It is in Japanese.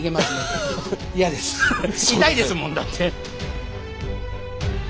痛いですもんだって。